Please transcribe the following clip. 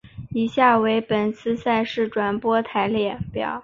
以下为本次赛事转播台列表。